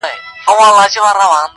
بزګر وویل خبره دي منمه -